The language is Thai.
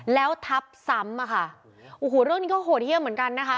แล้วทับซ้ำอ่ะค่ะโอ้โหเรื่องนี้ก็โหดเยี่ยมเหมือนกันนะคะ